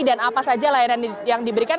dan apa saja layanan yang diberikan